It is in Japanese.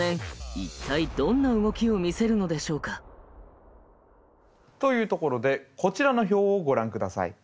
一体どんな動きを見せるのでしょうか？というところでこちらの表をご覧下さい。